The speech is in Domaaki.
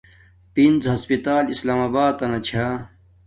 پنز ھسپتال اسلام آباتنا چھا